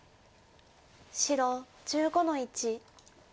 白１５の一。